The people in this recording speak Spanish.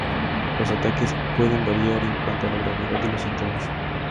Los ataques pueden variar en cuanto a la gravedad de los síntomas.